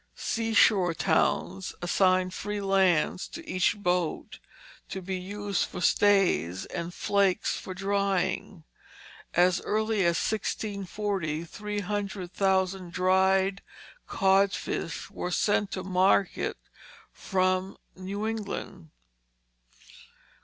Seashore towns assigned free lands to each boat to be used for stays and flakes for drying. As early as 1640 three hundred thousand dried codfish were sent to market from New England.